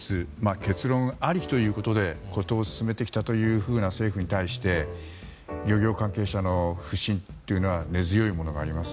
結論ありきということで事を進めてきたというふうな政府に対して漁業関係者の不信は根強いものがあります。